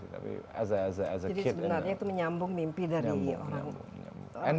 jadi sebenarnya itu menyambung mimpi dari orang